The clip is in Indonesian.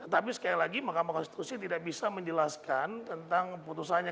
tapi sekali lagi mahkamah konstitusi tidak bisa menjelaskan tentang putusannya